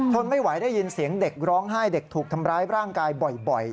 ทนไม่ไหวได้ยินเสียงเด็กร้องไห้เด็กถูกทำร้ายร่างกายบ่อย